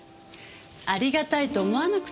ありがたいと思わなくちゃ。